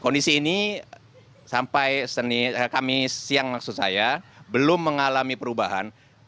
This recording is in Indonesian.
kondisi ini sampai kami siang maksud saya belum mengalami perubahan